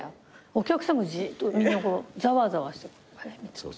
お客さんがじっとみんなざわざわして。